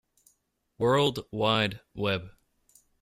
World Wide Web.